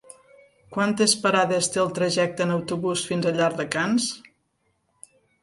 Quantes parades té el trajecte en autobús fins a Llardecans?